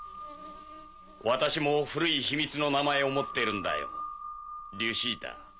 私も古い秘密の名前を持ってるんだよリュシータ。